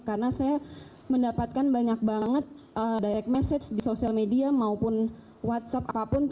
karena saya mendapatkan banyak banget direct message di sosial media maupun whatsapp apapun